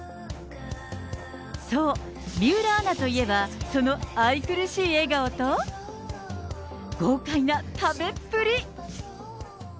そう、水卜アナといえば、その愛くるしい笑顔と、豪快な食べっぷり。